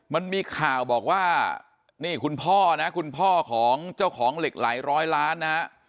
มันมีข่าวบอกว่าคุณพ่อของเจ้าของเหล็กไลร้ร้อยล้าน